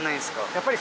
やっぱり。